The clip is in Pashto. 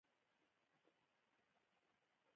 ازادي راډیو د امنیت په اړه د ښځو غږ ته ځای ورکړی.